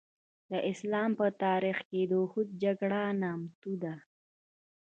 د اسلام په تاریخ کې د اوحد جګړه نامتو ده.